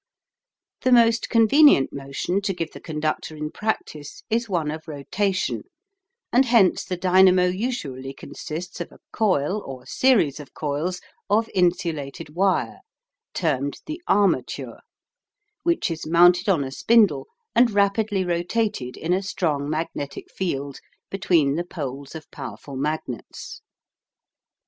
The most convenient motion to give the conductor in practice is one of rotation, and hence the dynamo usually consists of a coil or series of coils of insulated wire termed the "armature," which is mounted on a spindle and rapidly rotated in a strong magnetic field between the poles of powerful magnets.